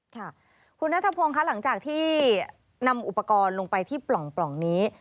ค่ะคุณนัทพงศ์ค่ะหลังจากที่นำอุปกรณ์ลงไปที่ปล่องนี้